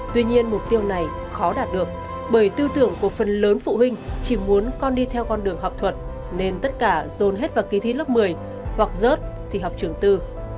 tuy nhiên mục tiêu này khó đạt được bởi tư tưởng của phần lớn phụ huynh chỉ muốn con đi theo con đường học thuật nên tất cả dồn hết vào kỳ thi lớp một mươi hoặc rớt thì học trường tư